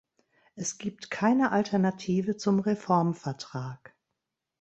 Es gibt keine Alternative zum Reformvertrag.